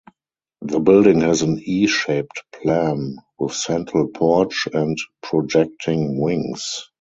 The building has an E shaped plan with central porch and projecting wings.